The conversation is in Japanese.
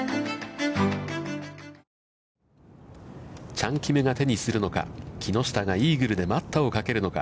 チャン・キムが手にするのか、木下がイーグルで待ったをかけるのか。